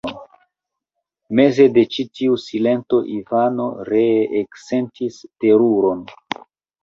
Meze de ĉi tiu silento Ivano ree eksentis teruron.